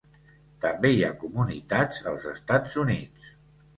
També hi ha comunitats als Estats Units.